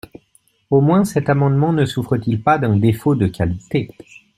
Au moins cet amendement ne souffre-t-il pas d’un « défaut de qualité ».